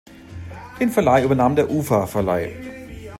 Den Verleih übernahm der UfA-Verleih.